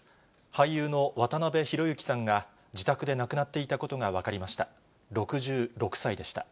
俳優の渡辺裕之さんが自宅で亡くなっていたことが分かりました。